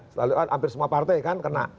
selalu hampir semua partai kan kena